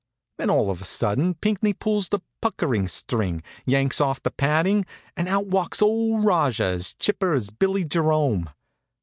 Then all of a sudden Pinckney pulls the puckering string, yanks off the padding, and out walks old Rajah as chipper as Billy Jerome.